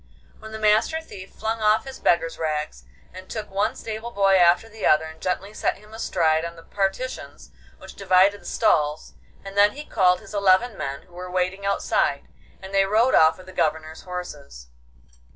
Then the Master Thief flung off his beggar's rags, and took one stable boy after the other and gently set him astride on the partitions which divided the stalls, and then he called his eleven men who were waiting outside, and they rode off with the Governor's horses.